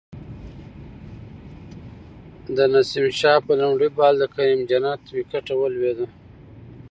د نسیم شاه په لومړی بال د کریم جنت وکټه ولویده